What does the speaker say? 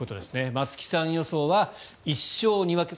松木さん予想は１勝２分け